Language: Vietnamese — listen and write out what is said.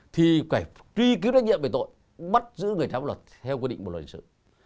thì phải truy cứu trách nhiệm về tội bắt giữ người khác bằng luật theo quy định bộ lực lượng sự